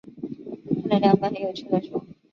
看了两本很有兴趣的书